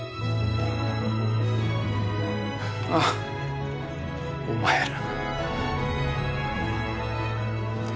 ああお前ら。